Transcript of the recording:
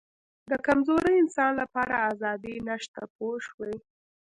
د کمزوري انسان لپاره آزادي نشته پوه شوې!.